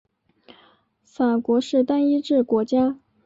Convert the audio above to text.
法国是单一制国家。